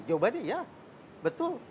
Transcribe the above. jawabannya ya betul